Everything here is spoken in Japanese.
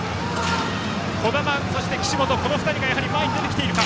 児玉、岸本の２人が前に出てきているか。